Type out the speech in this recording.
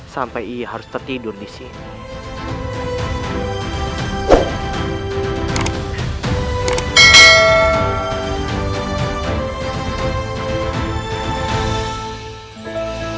sampai ia harus tertidur di sini